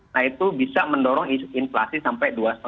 nah itu bisa mendorong inflasi sampai dua lima